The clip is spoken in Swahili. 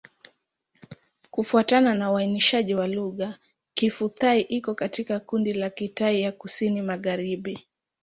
Kufuatana na uainishaji wa lugha, Kiphu-Thai iko katika kundi la Kitai ya Kusini-Magharibi.